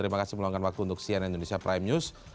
terima kasih meluangkan waktu untuk cnn indonesia prime news